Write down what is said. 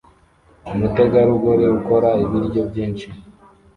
Umutegarugori ukora ibiryo byinshi